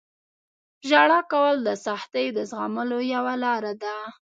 • ژړا کول د سختیو د زغملو یوه لاره ده.